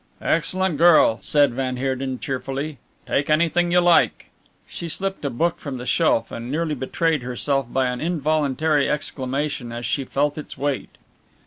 "Excellent girl," said van Heerden cheerfully. "Take anything you like." She slipped a book from the shelf and nearly betrayed herself by an involuntary exclamation as she felt its weight.